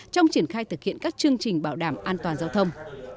trong triển khai thực hiện các chương trình bảo đảm an toàn giao thông